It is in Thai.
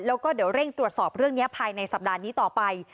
แล้วก็เดี๋ยวเร่งตรวจสอบเรื่องนี้ภายในสัปดาห์นี้ต่อไป